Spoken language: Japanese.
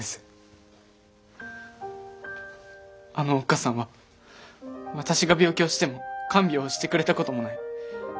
さんは私が病気をしても看病をしてくれたこともない。